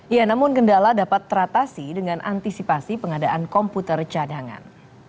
ya namun kendala dapat teratasi dengan antisipasi pengadaan komputer cadangan